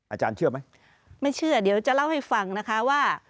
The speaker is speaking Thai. อาจารย์เชื่อไหมไม่เชื่อเดี๋ยวจะเล่าให้ฟังนะคะว่า